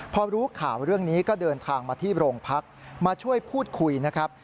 พอรู้ข่าวเรื่องนี้ก็เดินทางมาที่โรงพักมาช่วยพูดคุยนะครับ